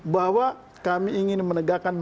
bahwa kami ingin menegakkan